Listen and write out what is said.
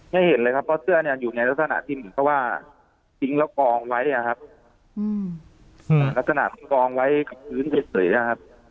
ไม่เห็นเลยครับเพราะเสื้อเนี่ยอยู่ในลักษณะที่มันก็ว่าติ๊งละกองไว้ครับลักษณะติ๊งละกองไว้กับพื้นเศรษฐ์เลยนะครับ